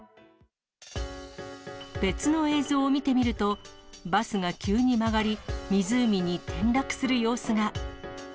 別の映像を見てみると、バスが急に曲がり、湖に転落する様子が。